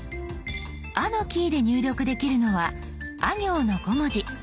「あ」のキーで入力できるのはあ行の５文字。